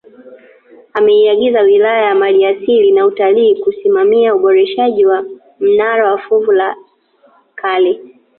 Ameiyagiza Wizara ya maliasili na Utalii kusimamia uboreshaji wa mnara wa fuvu la kale